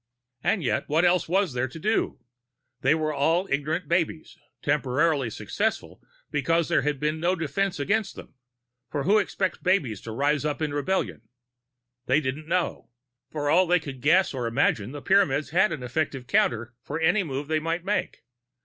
And yet what else was there to do? They were all ignorant babes, temporarily successful because there had been no defense against them, for who expects babes to rise up in rebellion? They didn't know. For all they could guess or imagine, the Pyramids had an effective counter for any move they might make.